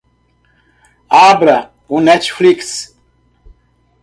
Abra o Netflix.